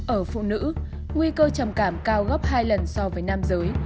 ở phụ nữ nguy cơ trầm cảm cao gấp hai lần so với nam giới